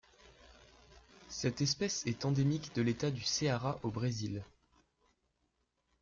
Cette espèce est endémique de l'État du Ceará au Brésil.